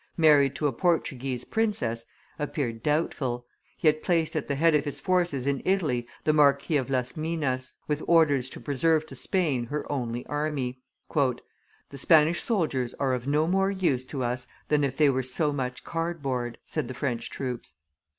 married to a Portuguese princess, appeared doubtful; he had placed at the head of his forces in Italy the Marquis of Las Minas, with orders to preserve to Spain her only army. "The Spanish soldiers are of no more use to us than if they were so much cardboard," said the French troops.